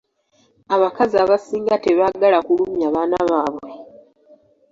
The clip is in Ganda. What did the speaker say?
Abakazi abasinga tebaagala kulumya baana baabwe.